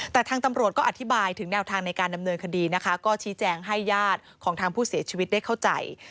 แต่ทางตำรวจก็อธิบายถึงแนวทางในการดำเนินคดีนะคะก็ชี้แจงให้ญาติของทางผู้เสียชีวิตได้เข้าใจ